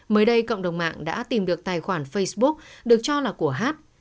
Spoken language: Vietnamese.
mới đây cộng đồng mạng đã tìm được tài khoản facebook được cho là của hát